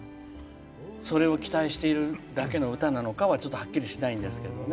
それを期待しているだけの歌なのかはちょっとはっきりしないんですけどね。